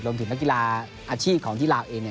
นักกีฬาอาชีพของที่ลาวเองเนี่ย